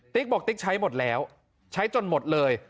บอกติ๊กใช้หมดแล้วใช้จนหมดเลย